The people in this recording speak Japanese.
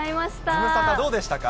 ズムサタどうでしたか？